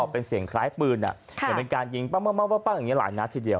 เป็นเสียงคล้ายปืนเหมือนเป็นการยิงปั้งอย่างนี้หลายนัดทีเดียว